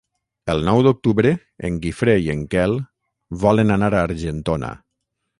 El nou d'octubre en Guifré i en Quel volen anar a Argentona.